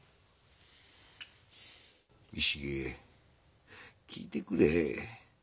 石毛聞いてくれ。